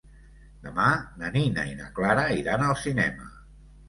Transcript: Demà na Nina i na Clara iran al cinema.